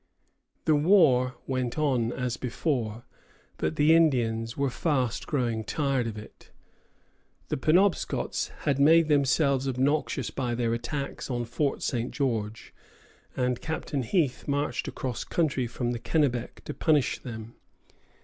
The war went on as before, but the Indians were fast growing tired of it. The Penobscots had made themselves obnoxious by their attacks on Fort St. George, and Captain Heath marched across country from the Kennebec to punish them.